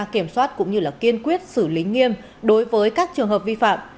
kiểm soát cũng như kiên quyết xử lý nghiêm đối với các trường hợp vi phạm